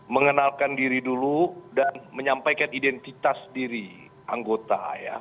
mengenalkan diri dulu dan menyampaikan identitas diri anggota ya